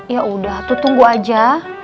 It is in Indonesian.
ya udah tuh tunggu aja